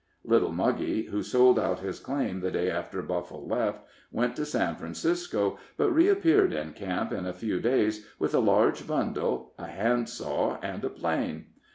Little Muggy, who sold out his claim the day after Buffle left, went to San Francisco, but reappeared in camp in a few days, with a large bundle, a handsaw and a plane.